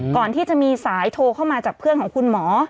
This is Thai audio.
ก่อนที่จะมีสายโทรเข้ามาจากเพื่อนของคุณหมอ